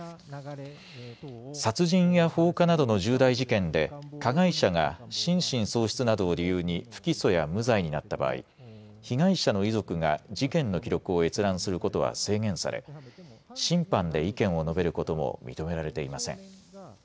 殺人や放火などの重大事件で加害者が心神喪失などを理由に不起訴や無罪になった場合、被害者の遺族が事件の記録を閲覧することは制限され審判で意見を述べることも認められていません。